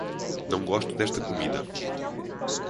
Não gosto desta comida.